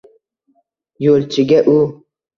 Yo’lchiga u: